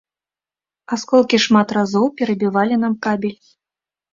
Асколкі шмат разоў перабівалі нам кабель.